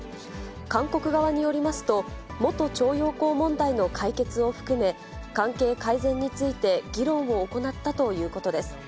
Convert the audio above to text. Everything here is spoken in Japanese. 韓国側によりますと、元徴用工問題の解決を含め、関係改善について議論を行ったということです。